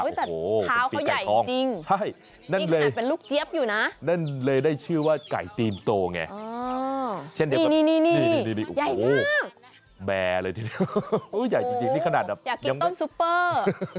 ทาวเขาใหญ่จริงนั่นเลยได้ชื่อว่าไก่ตีนโตไงโอ้โหแบร์เลยทีเดียวอยากกินต้มซุปเปอร์